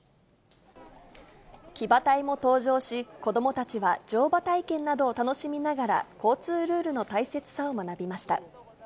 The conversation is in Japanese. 騎馬隊も登場し、子どもたちは乗馬体験などを楽しみながら、交通ルールの大切さを学びました。